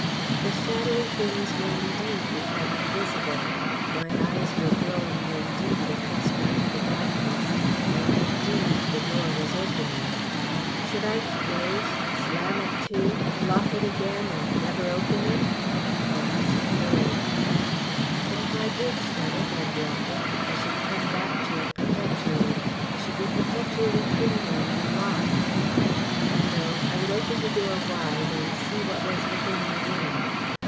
The shadowy things were indeed becoming visible; my eyes were growing indeed accustomed to the darkness; and, indeed, the door was opening. Should I close, slam it to, lock it again and never open it? For I was afraid. But if I did shut it and lock it I should come back to it perpetually, I should be perpetually fingering the lock. No; I would open the door wide and see what was within the room.